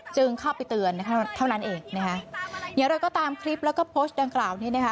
จึงเข้าไปเตือนเท่านั้นเองนะคะอย่างไรก็ตามคลิปแล้วก็โพสต์ดังกล่าวนี้นะคะ